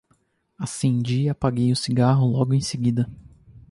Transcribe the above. acendi e apaguei o cigarro, logo em seguida